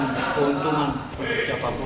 tidak ada pertanyaan untuk siapapun